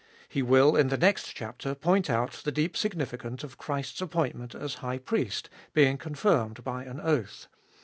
He will in the next chapter point out the deep significance of Christ's appointment as High Priest being confirmed by an oath.